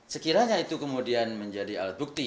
sekiranya itu kemudian menjadi alat bukti